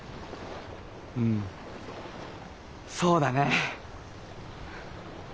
うんそうだね。